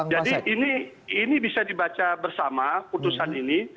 jadi ini bisa dibaca bersama putusan ini